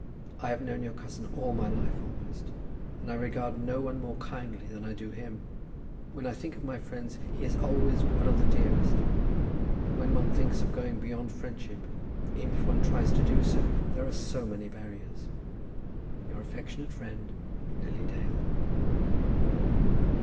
I have known your cousin all my life, almost; and I regard no one more kindly than I do him. When I think of my friends, he is always one of the dearest. But when one thinks of going beyond friendship, even if one tries to do so, there are so many barriers! Your affectionate friend, LILY DALE.